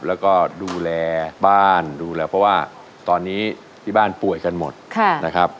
แล้วก็ดูแลบ้านดูแลเพราะว่าตอนนี้ที่บ้านป่วยกันหมดนะครับ